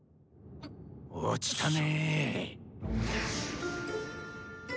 落ちたね。